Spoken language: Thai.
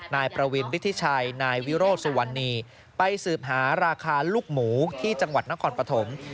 นายประวินฤทธิชัยนายวิโรธสุวรรณีไปสืบหาราคาลูกหมูที่จังหวัดนครปฐม